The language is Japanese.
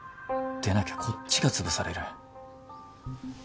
でなきゃこっちが潰される。